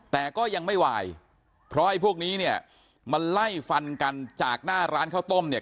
แต่ก็ยังไม่วายเพราะไอ้พวกนี้เนี่ยมันไล่ฟันกันจากหน้าร้านข้าวต้มเนี่ย